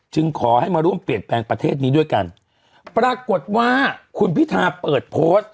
ขอให้มาร่วมเปลี่ยนแปลงประเทศนี้ด้วยกันปรากฏว่าคุณพิธาเปิดโพสต์